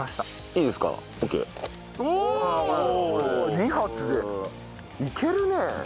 いけるね。